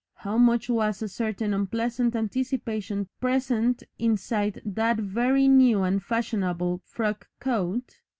How much was a certain unpleasant anticipation present inside that very new and fashionable frock coat?